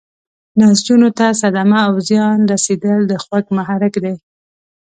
نسجونو ته صدمه او زیان رسیدل د خوږ محرک دی.